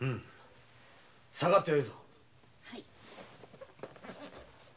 下がってよいぞ。